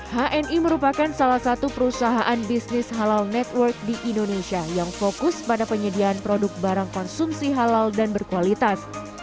hni merupakan salah satu perusahaan bisnis halal network di indonesia yang fokus pada penyediaan produk barang konsumsi halal dan berkualitas